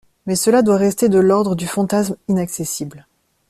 Mais cela doit rester de l’ordre du fantasme inaccessible.